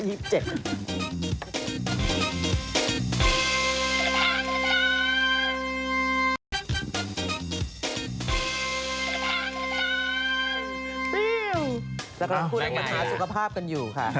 เรากำลังคุยกับปัญหาสุขภาพกันอยู่ค่ะ